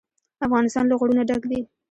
افغانستان له غرونه ډک دی.